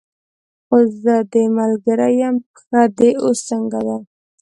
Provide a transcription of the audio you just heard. خو زه دې ملګرې یم، پښه دې اوس څنګه ده؟